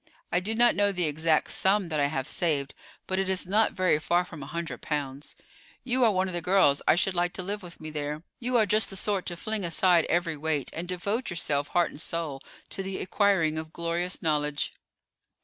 I do not know the exact sum that I have saved, but it is not very far from a hundred pounds. You are one of the girls I should like to live with me there. You are just the sort to fling aside every weight, and devote yourself heart and soul to the acquiring of glorious knowledge."